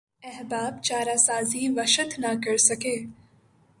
احباب چارہ سازی وحشت نہ کر سکے